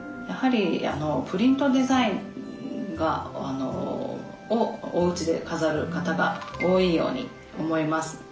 やはりプリントデザインをおうちで飾る方が多いように思います。